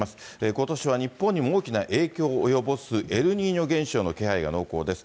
ことしは日本にも大きな影響を及ぼすエルニーニョ現象の気配が濃厚です。